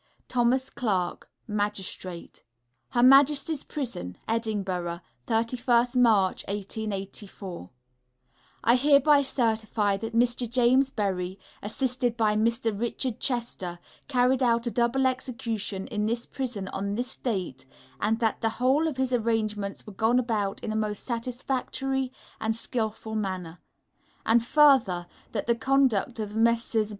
THOMAS CLARK, Magistrate. H.M. Prison, Edinburgh, 31 March, 1884. I hereby certify that Mr. James Berry, assisted by Mr. Richard Chester, carried out a double Execution in this Prison on this date, and that the whole of his arrangements were gone about in a most satisfactory and skilful manner; and, further, that the conduct of Messrs.